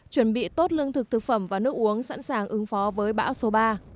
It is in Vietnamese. chuẩn bị tốt lương thực thực phẩm và nước uống sẵn sàng ứng phó với bão số ba